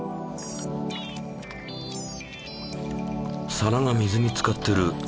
皿が水につかってる。